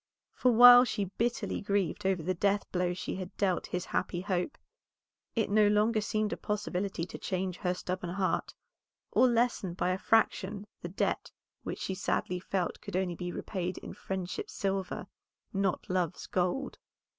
For while she bitterly grieved over the death blow she had dealt his happy hope, it no longer seemed a possibility to change her stubborn heart, or lessen by a fraction the debt which she sadly felt could only be repaid in friendship's silver, not love's gold.